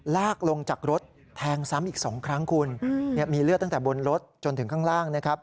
ลากลงจากรถแทงซ้ำอีก๒ครั้งคุณมีเลือดตั้งแต่บนรถจนถึงข้างล่างนะครับ